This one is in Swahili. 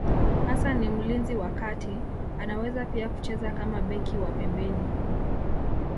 Hasa ni mlinzi wa kati, anaweza pia kucheza kama beki wa pembeni.